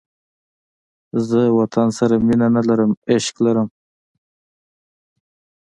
زه وطن سره مینه نه لرم، عشق لرم